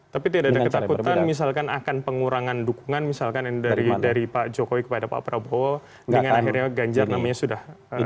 tapi tidak ada ketakutan misalkan akan pengurangan dukungan misalkan dari pak jokowi kepada pak prabowo dengan akhirnya ganjar namanya sudah